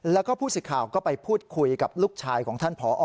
แล้วก็ผู้สิทธิ์ข่าวก็ไปพูดคุยกับลูกชายของท่านผอ